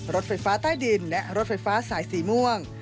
รถไฟฟ้าใต้ดินและรถไฟฟ้าสายสีม่วง